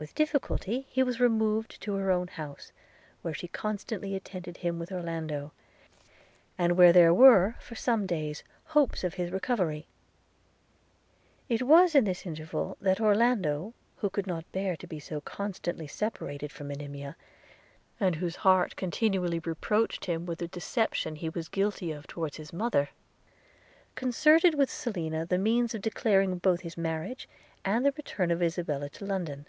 – With difficulty he was removed to her own house, where she constantly attended him, with Orlando, and where there were, for some days, hopes of his recovery. – It was in this interval that Orlando, who could not bear to be so constantly separated from Monimia, and whose heart continually reproached him with the deception he was guilty of towards his mother, concerted with Selina the means of declaring both his marriage, and the return of Isabella to London.